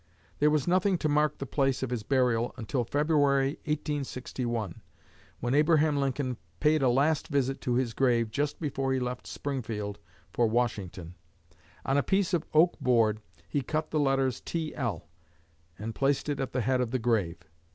There was nothing to mark the place of his burial until February, 1861, when Abraham Lincoln paid a last visit to his grave just before he left Springfield for Washington. On a piece of oak board he cut the letters T.L. and placed it at the head of the grave.